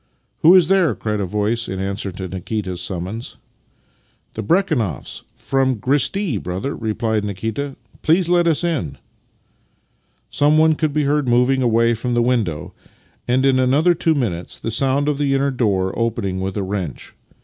" Who is there? " cried a voice in answer to Nikita's summons. " The Brekhunoffs from Kresti, brother," replied Nikita. " Please let us in." Someone could be heard moving away from the window, and in another two minutes the sound of the inner door opening with a wrench.